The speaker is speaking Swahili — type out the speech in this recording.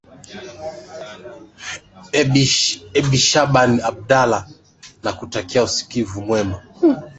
ebi shaaban abdallah nakutakia usikivu mwema